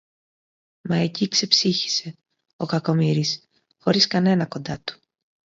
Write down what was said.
Μα εκεί ξεψύχησε, ο κακομοίρης, χωρίς κανένα κοντά του